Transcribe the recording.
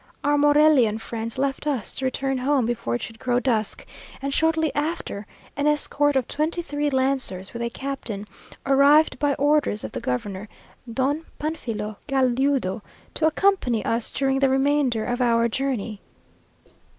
Our Morelian friends left us to return home before it should grow dusk; and shortly after, an escort of twenty three lancers, with a captain, arrived by orders of the governor, Don Panfilo Galiudo, to accompany us during the remainder of our journey.